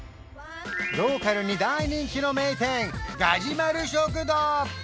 ローカルに大人気の名店がじまる食堂